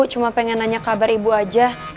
cuma pengen nanya kabar ibu aja